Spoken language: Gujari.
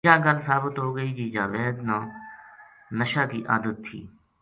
یاہ گل ثابت ہو گئی جے جاوید نا نشا کی عادت تھی